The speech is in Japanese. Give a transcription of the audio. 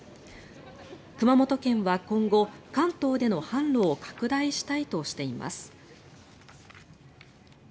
熊本県は今後関東での販路を拡大したいとしています。